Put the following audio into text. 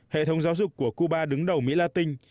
hệ thống giáo dục của cuba đứng đầu mỹ la tinh